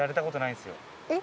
えっ？